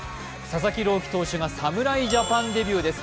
佐々木朗希投手が侍ジャパンデビューです。